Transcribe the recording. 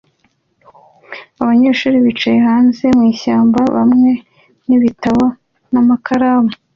Abanyeshuri bicaye hanze mwishyamba hamwe nibitabo n'amakaramu